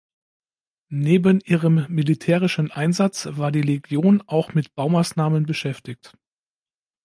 Neben ihrem militärischen Einsatz war die Legion auch mit Baumaßnahmen beschäftigt.